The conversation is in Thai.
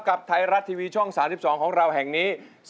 กับไทยรัฐทีวีช่อง๓๒ของเราแห่งนี้